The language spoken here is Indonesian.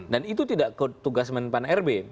dan itu tidak ke tugas men pan rb